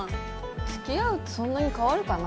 付き合うってそんなに変わるかな？